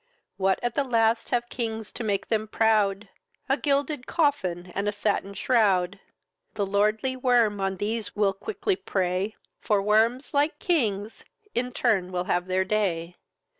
What at the last have kings to make them proud! A gilded coffin and a satin shroud. The lordly worm on these will quickly prey; For worms, like kings, in turn will have their day.